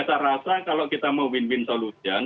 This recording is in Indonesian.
saya rasa kalau kita mau win win solution